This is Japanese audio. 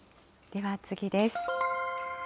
では次です。